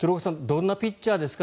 どんなピッチャーですか？